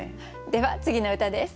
では次の歌です。